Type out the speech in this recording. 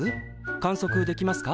観測できますか？